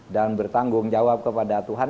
dan bertanggung jawab kepada tuhan